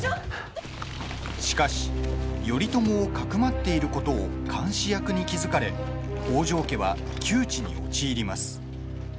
しかし、頼朝をかくまっていることを監視役に気付かれ北条家は窮地に陥ります。